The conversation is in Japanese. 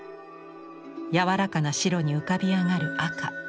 柔らかな白に浮かび上がる赤。